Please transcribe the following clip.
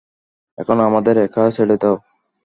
এখন আমাদের একা ছেড়ে দাও।